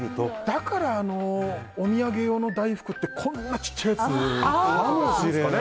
だからお土産用の大福ってこんなちっちゃいやつなんですかね。